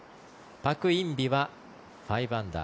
パク・インビは５アンダー。